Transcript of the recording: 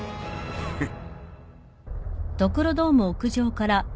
フッ。